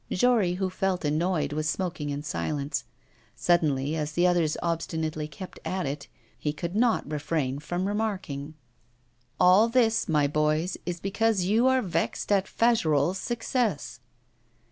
Jory, who felt annoyed, was smoking in silence. Suddenly, as the others obstinately kept at it, he could not refrain from remarking: 'All this, my boys, is because you are vexed at Fagerolles' success.